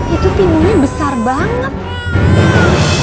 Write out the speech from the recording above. itu timunnya besar banget